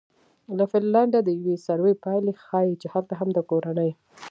له فنلنډه د یوې سروې پایلې ښیي چې هلته هم د کورنۍ